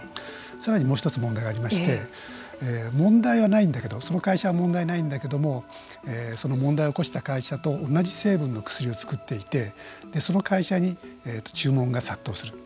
さらに、もう一つ問題がありまして問題はないんだけどその会社は問題はないんだけどもその問題を起こした会社と同じ成分の薬を作っていてその会社に注文が殺到する。